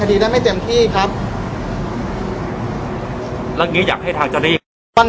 พี่แจงในประเด็นที่เกี่ยวข้องกับความผิดที่ถูกเกาหา